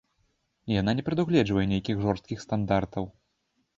Яна не прадугледжвае нейкіх жорсткіх стандартаў.